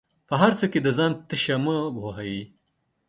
په هر څه کې د ځان تيشه مه وهه